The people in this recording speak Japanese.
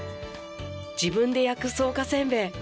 自分で焼く草加せんべい